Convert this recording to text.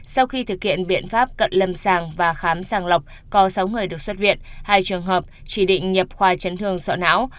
sau khi thực hiện biện pháp cận lâm sàng và khám sàng lọc có sáu người được xuất viện hai trường hợp chỉ định nhập khoa chấn thương sọ não